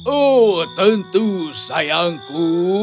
oh tentu sayangku